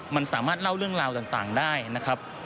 มันสามารถเล่าเรื่องราวต่างได้นะครับ